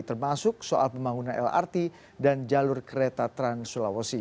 termasuk soal pembangunan lrt dan jalur kereta trans sulawesi